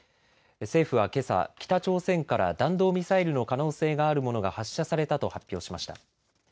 政府はけさ、北朝鮮から弾道ミサイルの可能性があるものが発射されたと発表しました。